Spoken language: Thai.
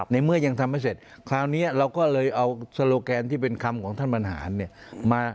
ในเมื่อยังทำไม่เสร็จคราวนี้เราก็เลยเอาโซโลแกนที่เป็นคำของท่านบรรหารเนี่ย